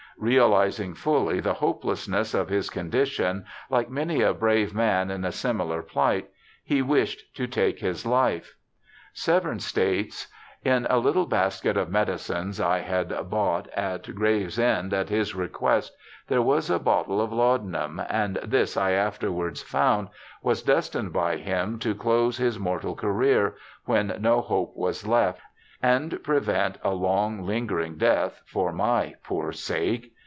Realizing fully the hopelessness of his condition, like many a brave man in a similar plight, he wished to take his life. Severn states :' In a little basket of medicines I had bought at Gravesend at his request there was a bottle of laudanum, and this I afterwards found was destined by him "to close his mortal career", when no hope was left, and prevent a long, lingering death, for my poor sake.